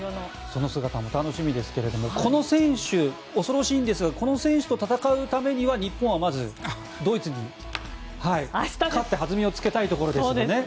その姿も楽しみですがこの選手恐ろしいんですがこの選手と戦うためには日本はまずドイツに勝って弾みをつけたいところですね。